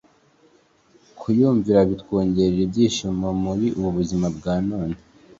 kuyumvira bitwongerera ibyishimo muri ubu buzima bwa none